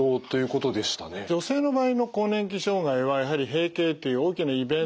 女性の場合の更年期障害はやはり閉経という大きなイベント